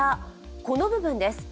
この部分です。